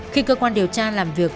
khi cơ quan điều tra làm việc